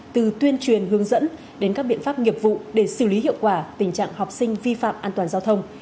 từ tuyên truyền hướng dẫn đến các biện pháp nghiệp vụ để xử lý hiệu quả tình trạng học sinh vi phạm an toàn giao thông